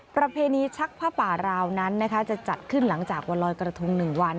ประเพณีชักผ้าป่าราวนั้นจะจัดขึ้นหลังจากวันลอยกระทง๑วัน